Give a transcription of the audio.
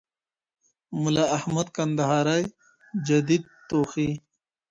ملا احمد کندهارى جديد توخى